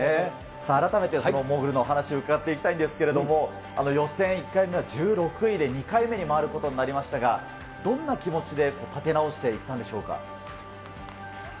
改めてモーグルのお話を伺っていきたいんですけれども、予選１回目は１６位で２回目に回ることになりましたけれども、どんな気持ちで立て直していったんでしょうか。